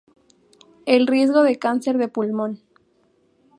El riesgo de cáncer del pulmón.